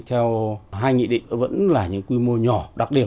theo hai nghị định vẫn là những quy mô nhỏ đặc điểm